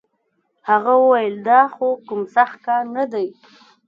هغه وويل دا خو کوم سخت کار نه دی.